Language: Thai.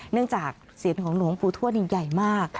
เนื่องจากเสียงของหลวงปู่ทวดนี่ใหญ่มาก